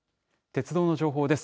鉄道の情報です。